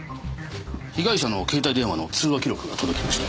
被害者の携帯電話の通話記録が届きました。